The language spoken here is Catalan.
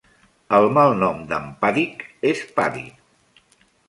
El malnom d'en Paddick és Paddy.